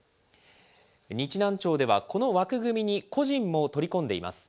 日南町ではこの枠組みに個人も取り込んでいます。